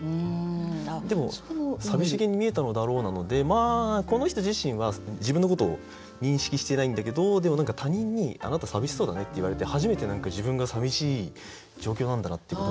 でも「寂しげに見えたのだろう」なのでこの人自身は自分のことを認識していないんだけどでも何か他人に「あなた寂しそうだね」って言われて初めて自分が寂しい状況なんだなっていうことに気付く。